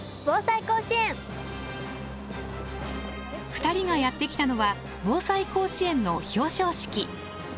２人がやって来たのは「ぼうさい甲子園」の表彰式。